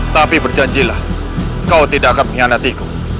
tapi berjanjilah kau tidak akan mengkhianatiku